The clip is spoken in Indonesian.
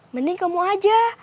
mending kamu aja